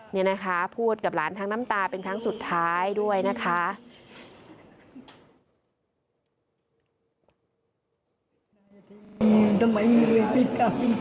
นี่นะคะพูดกับหลานทั้งน้ำตาเป็นครั้งสุดท้ายด้วยนะคะ